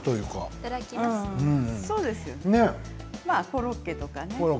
コロッケとかね。